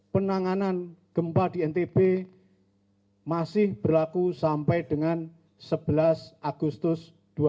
penanganan gempa di ntp masih berlaku sampai dengan sebelas agustus dua ribu delapan belas